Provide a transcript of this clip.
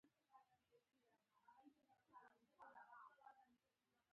د خپلو کړنو مسؤلیت پرته له وېرې په غاړه اخلئ.